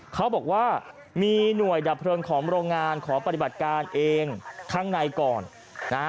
เขาบอกว่ามีหน่วยดับเพลิงของโรงงานขอปฏิบัติการเองข้างในก่อนนะฮะ